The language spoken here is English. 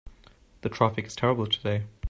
The traffic is terrible today.